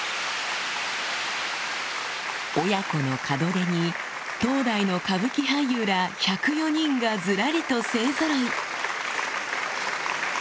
親子の門出に当代の歌舞伎俳優ら１０４人がずらりと勢ぞろい